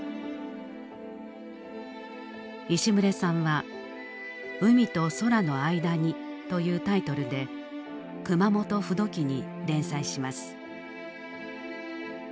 石牟礼さんは「海と空のあいだに」というタイトルで「熊本風土記」に連載します。